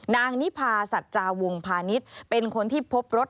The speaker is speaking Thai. นางนิพาศัตราวงภานิษฐ์เป็นคนที่พบรถ